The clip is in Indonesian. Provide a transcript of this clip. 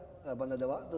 gak pernah ada waktu